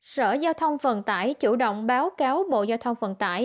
sở giao thông vận tải chủ động báo cáo bộ giao thông vận tải